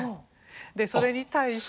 それに対して。